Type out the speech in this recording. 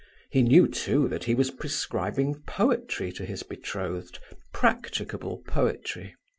He knew, too, that he was prescribing poetry to his betrothed, practicable poetry.